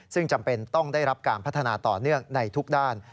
ซึ่งจำเป็นต้องได้รับการพัฒนาต่อเนื่องในทุกด้าน